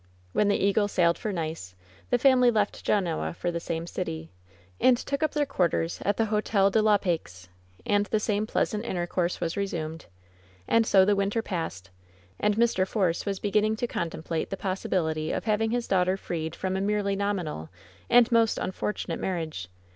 When the Eagle sailed for Nice the family left Genoa for the same city, and took up their quarters at the Hotel de la Paix, and the same pleasant intercourse was re sumed. And so the winter passed. And Mr. Force was begin ning to contemplate the possibility of having his daugh ter freed from a merely nominal and most unfortunate marriage.